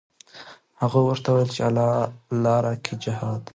هغو ورته وویل: د الله لاره کې جهاد.